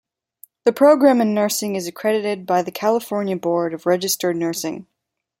The program in nursing is accredited by the California Board of Registered Nursing.